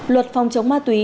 luật phòng chống ma túy